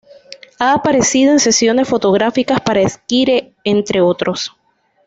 Ha aparecido en sesiones fotográficas para "Esquire", entre otros...